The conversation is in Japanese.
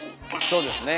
そうですね。